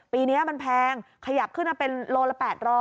ปีนี้มันแพงขยับขึ้นมาเป็นโลละ๘๐๐